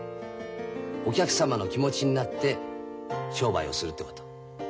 お客様の気持ちになって商売をするってこと。